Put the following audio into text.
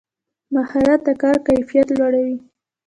مهارت د کار کیفیت لوړوي